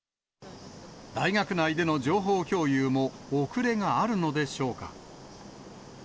大学内での情報共有も遅れがあるのでしょうか。